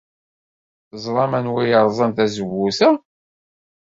Teẓram anwa ay yerẓan tazewwut-a?